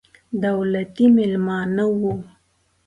دولتي مېلمانه وو.